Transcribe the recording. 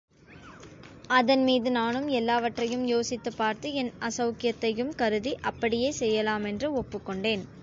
அதன்மீது நானும் எல்லாவற்றையும் யோசித்துப் பார்த்து, என் அசௌக்கியத்தையும் கருதி, அப்படியே செய்யலாமென்று ஒப்புக்கொண்டேன்.